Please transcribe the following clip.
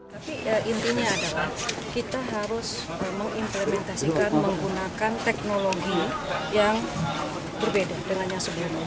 tapi intinya adalah kita harus mengimplementasikan menggunakan teknologi yang berbeda dengan yang sebelumnya